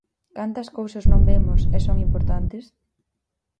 Cantas cousas non vemos e son importantes?